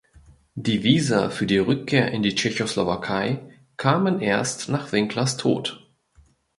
Die Visa für die Rückkehr in die Tschechoslowakei kamen erst nach Winklers Tod.